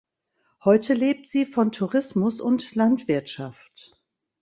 Heute lebt sie von Tourismus und Landwirtschaft.